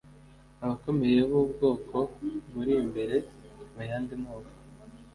abakomeye b’ubwoko buri imbere mu yandi moko